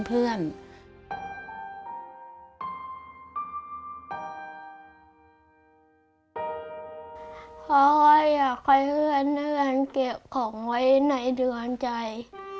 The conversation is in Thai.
เพราะว่าอยากค่อยเอื้อเลื่อนเก็บของไว้ในดวงใจ